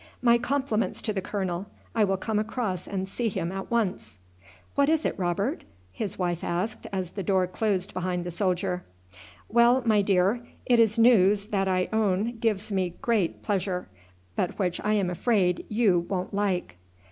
"My compliments to the colonel. I will come across and see him at once." "What is it, Robert?" his wife asked as the door closed behind the soldier. "Well, my dear, it is news that I own gives me great pleasure, but which I am afraid you won't like."